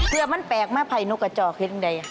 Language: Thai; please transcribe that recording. เพื่อมันแปลกมาภัยนกระจอกคิดอย่างไร